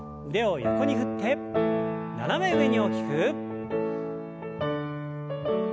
腕を横に振って斜め上に大きく。